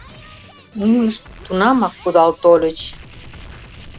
Нунышт тунамак кудал тольыч.